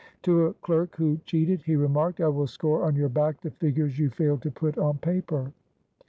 To a clerk who cheated, he remarked, " I will score on your back the figures you failed to put on paper."